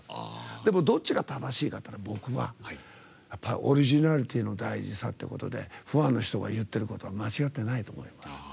でも、どっちが正しいかって僕は、やっぱりオリジナリティーの大事さということでファンの人が言ってることは間違ってないと思うんですよ。